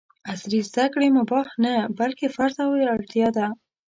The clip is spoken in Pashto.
عصري زده کړې مباح نه ، بلکې فرض او اړتیا ده!